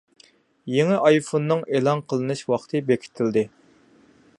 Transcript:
يېڭى ئايفوننىڭ ئېلان قىلىنىش ۋاقتى بېكىتىلدى.